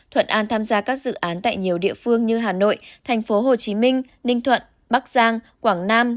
thuận an tham gia các dự án tại nhiều địa phương như hà nội tp hcm ninh thuận bắc giang quảng nam